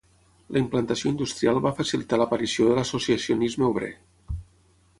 La implantació industrial va facilitar l'aparició de l'associacionisme obrer.